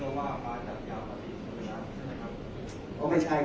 แต่ว่าไม่มีปรากฏว่าถ้าเกิดคนให้ยาที่๓๑